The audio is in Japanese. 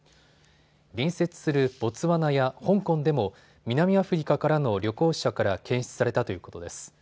隣接するボツワナや香港でも南アフリカからの旅行者から検出されたということです。